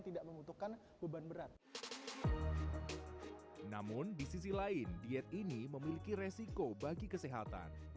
tidak membutuhkan beban berat namun di sisi lain diet ini memiliki resiko bagi kesehatan